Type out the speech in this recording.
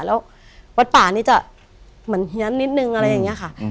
แล้ววัดป่านี่จะเหมือนเฮียนนิดนึงอะไรอย่างนี้ค่ะ